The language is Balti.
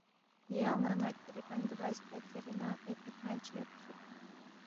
یا اون٘ا ن٘ا کِھری بندوبست بید زیرے نہ ایکھہ تھنگ چی یودسُوک